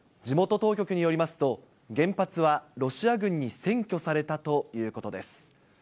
地元当局によりますと、原発はロシア軍に占拠されたということです。